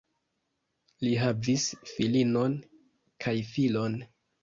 Li havis filinon kaj filon.